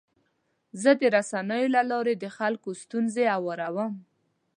زه د رسنیو له لارې د خلکو ستونزې اورم.